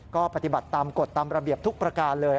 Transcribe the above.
ก็ปฏิบัติตามกฎตามระเบียบทุกประการเลย